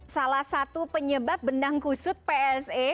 salah satu penyebab benang kusut pse